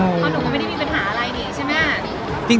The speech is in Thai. เพราะหนูก็ไม่ได้มีปัญหาอะไรนี่ใช่ไหม